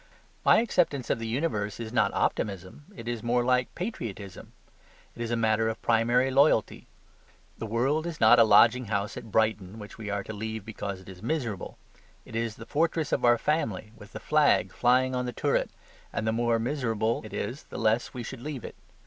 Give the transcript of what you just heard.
My acceptance of the universe is not optimism, it is more like patriotism. It is a matter of primary loyalty. The world is not a lodging house at Brighton, which we are to leave because it is miserable. It is the fortress of our family, with the flag flying on the turret, and the more miserable it is the less we should leave it.